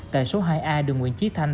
tại số hai a đường nguyễn trí thanh